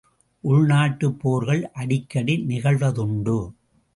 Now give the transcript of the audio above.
உள்நாட்டுப்போர்கள் அடிக்கடி நிகழ்வதுண்டு.